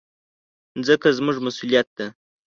مځکه زموږ مسؤلیت ده.